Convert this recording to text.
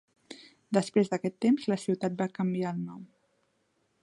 Després d'aquest temps la ciutat va canviar el nom.